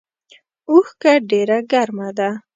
اوښکه ډیره ګرمه ده